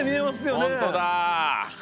本当だ。